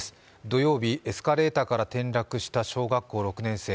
土曜日、エスカレーターから転落した小学６年生。